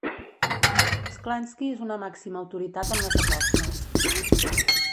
Sklansky és una màxima autoritat en les apostes.